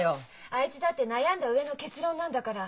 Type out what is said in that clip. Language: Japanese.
あいつだって悩んだ上の結論なんだから。